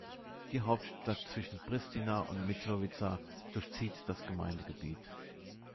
Die Hauptstraße zwischen Pristina und Mitrovica durchzieht das Gemeindegebiet.